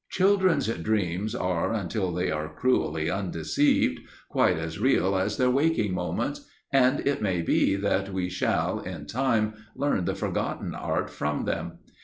Children's dreams are (until they are cruelly undeceived) quite as real as their waking moments, and it may be that we shall, in time, learn the forgotten art from them.